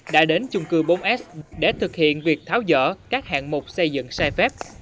đã đến chung cư bốn s để thực hiện việc tháo dỡ các hạng mục xây dựng sai phép